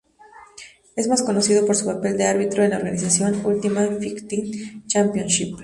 Es más conocido por su papel de árbitro en la organización Ultimate Fighting Championship.